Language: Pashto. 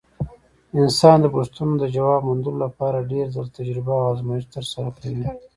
انسان د پوښتنو د ځواب موندلو لپاره ډېر ځله تجربه او ازمېښت ترسره کوي.